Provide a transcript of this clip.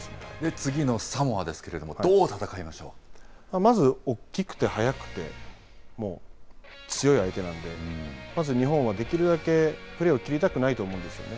次のサモアですけど、どう戦まず大きくて、速くてもう強い相手なので、まず日本はできるだけプレーをきりたくないと思うんですよね。